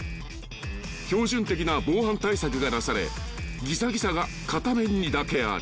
［標準的な防犯対策がなされぎざぎざが片面にだけある］